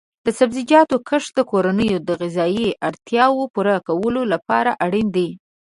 د سبزیجاتو کښت د کورنیو د غذایي اړتیاو پوره کولو لپاره اړین دی.